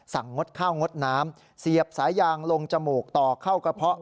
งดข้าวงดน้ำเสียบสายยางลงจมูกต่อเข้ากระเพาะ